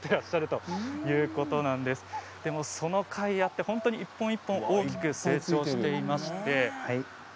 そのかいあって本当に一本一本大きく成長しています。